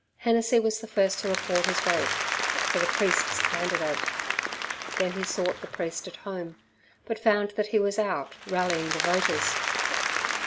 Hennessey was the first to record his vote for the priest's candidate. Then he sought the priest at home, but found that he was out rallying the voters.